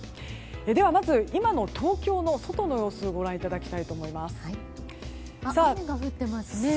ではまず今の東京の外の様子ご覧いただきたいと思います。